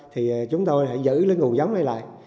thì chúng tôi hãy giữ lấy nguồn giống này lại